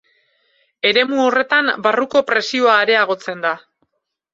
Eremu horretan barruko presioa areagotzen da.